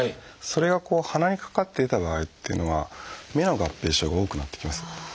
それが鼻にかかっていた場合っていうのは目の合併症が多くなってきます。